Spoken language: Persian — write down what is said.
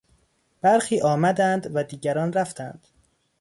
برخی آمدند و دیگران رفتند.